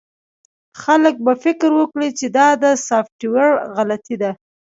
خلک به فکر وکړي چې دا د سافټویر غلطي ده